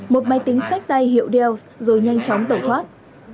một máy tính sách tay hiệu dealth rồi nhanh chóng tẩu thoát